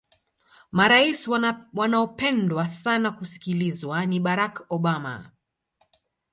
maraisi wanaopendwa sana kusikilizwa ni barack obama